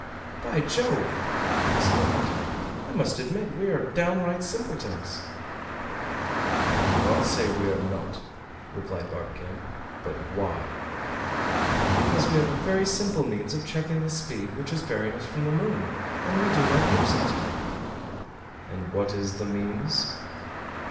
"By Jove!" he exclaimed, "I must admit we are down right simpletons!" "I do not say we are not," replied Barbicane; "but why?" "Because we have a very simple means of checking this speed which is bearing us from the moon, and we do not use it!" "And what is the means?"